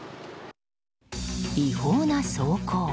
違法な走行。